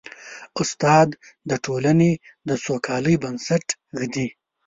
استاد د ټولنې د سوکالۍ بنسټ ږدي.